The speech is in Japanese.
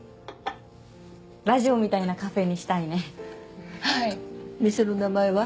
ラジオみたいなカフェにしたいねはい店の名前は？